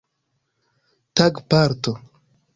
tagparto